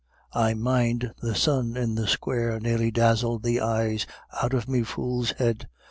I mind the sun in the square nearly dazzled the eyes out of me fool's head.